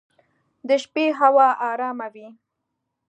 د شپې هوا ارامه وي.